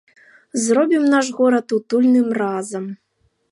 Зробім наш горад утульным разам!